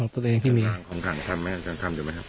เราก็ไม่ต้องทำอย่างนั้นด้วยนะครับ